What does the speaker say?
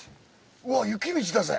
うわ雪道だぜ。